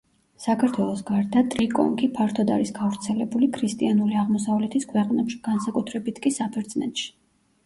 საქართველოს გარდა ტრიკონქი ფართოდ არის გავრცელებული ქრისტიანული აღმოსავლეთის ქვეყნებში, განსაკუთრებით კი საბერძნეთში.